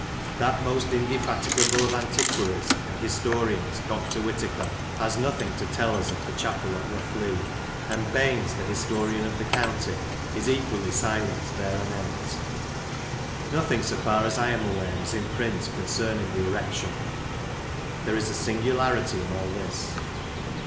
That most indefatigable of antiquaries and historians. Dr. Whitaker, has nothing to tell us of the chapel at Rough Lee; and Baines, the historian of the county, is equally silent thereanent. Nothing, so far as I am aware, is in print concerning the erection. There is a singularity in all this.